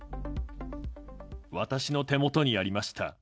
私の手元にありました。